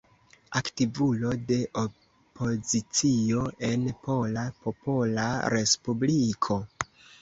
Aktivulo de opozicio en Pola Popola Respubliko.